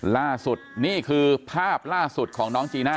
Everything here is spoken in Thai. ล่าสุดนี่คือภาพล่าสุดของน้องจีน่า